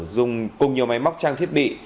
dùng cùng nhiều máy móc trang thiết bị